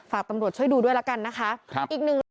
ฝากตำลวดช่วยดูด้วยละกันนะคะครับอีกหนึ่ง